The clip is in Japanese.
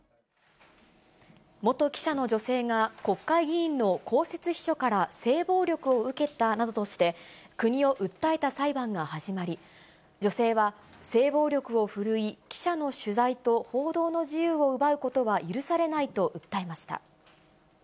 元記者の女性が、国会議員の公設秘書から性暴力を受けたなどとして、国を訴えた裁判が始まり、女性は性暴力を振るい、記者の取材と報道の自由を奪うことは許されないと訴えました。